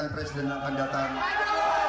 seandainya partai gerindra memerintahkan saya untuk maju